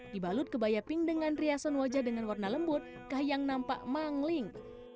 dibalut kebaya pink dengan riasan wajah dengan warna lembut kahiyang nampak mangling